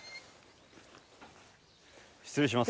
失礼します。